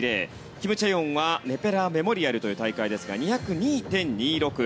キム・チェヨンはネペラメモリアルという大会で２０２．２６。